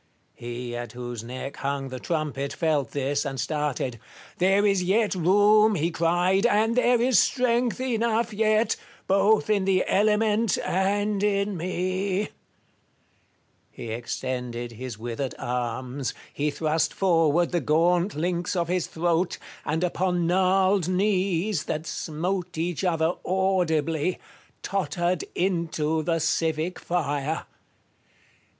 He at whose neck hung the trumpet felt this, and started. "There is yet room," he cried, "and there is strength enough yet, both in the element and in me," ME TELL us AND MARIUS. 67 He extended his withered arras, he thrust forward the gaunt links of his throat, and upon gnarled knees, that smote each other audibly, tottered into the civic fire.